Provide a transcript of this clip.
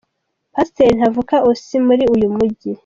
Pasteur Ntavuka Osee, muri uyu mujyi.